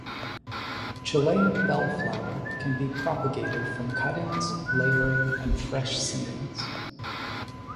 Chilean bellflower can be propagated from cuttings, layering and fresh seeds.